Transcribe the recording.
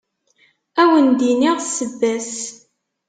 Ad wen-d-iniɣ ssebba-s.